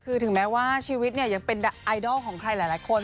คือถึงแม้ว่าชีวิตเนี่ยยังเป็นไอดอลของใครหลายคน